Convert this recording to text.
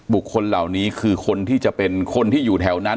คนเหล่านี้คือคนที่จะเป็นคนที่อยู่แถวนั้น